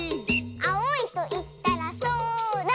「あおいといったらそら！」